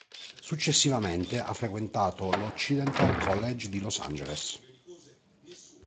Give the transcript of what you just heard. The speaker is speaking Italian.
Successivamente ha frequentato l'Occidental College di Los Angeles.